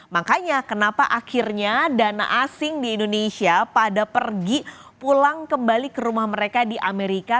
makanya kenapa akhirnya dana asing di indonesia pada pergi pulang kembali ke rumah mereka di amerika